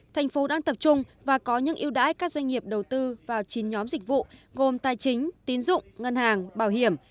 thành phố đang tập trung và có những yêu đáy các doanh nghiệp đầu tư vào chín nhóm dịch vụ gồm tài chính tín dụng ngân hàng bảo hiểm